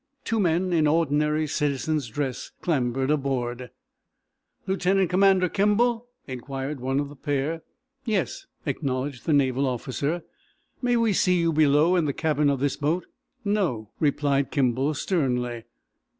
Two men in ordinary citizen's dress clambered aboard. "Lieutenant Commander Kimball?" inquired one of the pair. "Yes," acknowledged the naval officer. "May we see you below, in the cabin of this boat." "No!" replied Kimball, sternly.